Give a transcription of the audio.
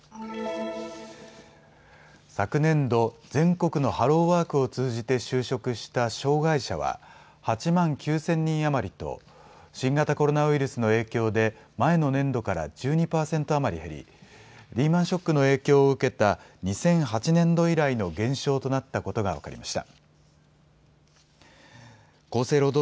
昨年度、全国のハローワークを通じて就職した障害者は８万９０００人余りと新型コロナウイルスの影響で前の年度から１２％余り減りリーマンショックの影響を受けた２００８年度以来の減少となったことが分かりました。